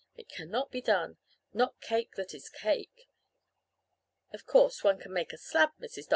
It cannot be done not cake that is cake. Of course one can make a slab, Mrs. Dr.